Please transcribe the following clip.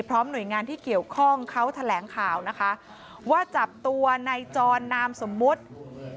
พร้อมหน่วยงานที่เกี่ยวข้องเขาแถลงข่าวนะคะว่าจับตัวในจรนามสมมุติ